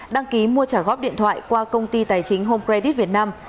đăng ký mua trả góp điện thoại qua công ty tài chính home credit việt nam